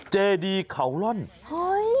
เจดีเขาล่อนเฮ้ย